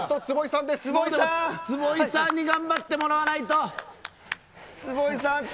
坪井さんに頑張ってもらわないと。